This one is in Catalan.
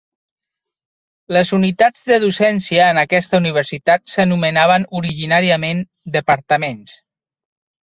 Les unitats de docència en aquesta universitat s'anomenaven originàriament "departaments".